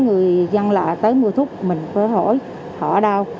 người dân là tới mua thuốc mình phải hỏi họ ở đâu